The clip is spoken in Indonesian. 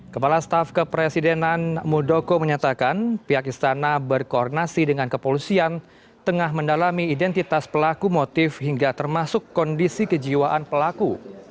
kepala staf kepresidenan muldoko menyatakan pihak istana berkoordinasi dengan kepolisian tengah mendalami identitas pelaku motif hingga termasuk kondisi kejiwaan pelaku